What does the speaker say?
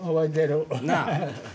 なあ。